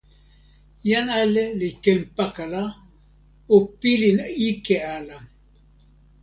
jan ale li ken pakala. o pilin ike ala.